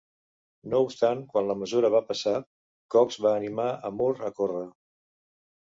No obstant, quan la mesura va passar, Cox va animar a Moore a córrer.